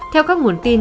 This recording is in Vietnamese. theo các nguồn tin